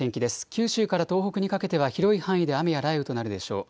九州から東北にかけては広い範囲で雨や雷雨となるでしょう。